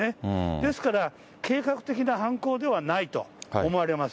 ですから、計画的な犯行ではないと思われます。